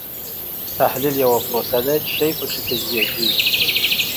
تحلیل یوه پروسه ده چې شی پکې تجزیه کیږي.